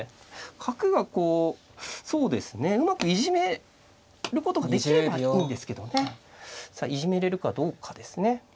角がこうそうですねうまくいじめることができればいいんですけどね。さあいじめれるかどうかですね。